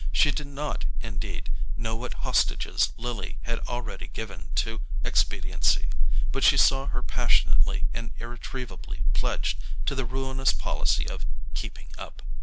She did not, indeed, know what hostages Lily had already given to expediency; but she saw her passionately and irretrievably pledged to the ruinous policy of "keeping up."